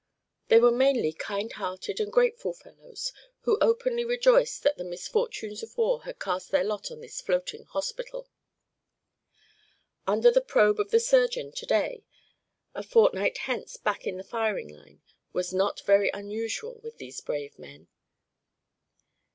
They were mainly kind hearted and grateful fellows and openly rejoiced that the misfortunes of war had cast their lot on this floating hospital. Under the probe of the surgeon to day, a fortnight hence back on the firing line, was not very unusual with these brave men.